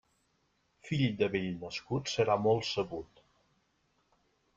Fill de vell nascut serà molt sabut.